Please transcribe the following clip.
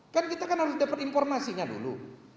kan kita kan harus dapat informasinya dulu